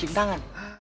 ya udah siap